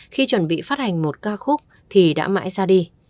khi chuẩn bị phát hành một ca khúc thì đã mãi ra đi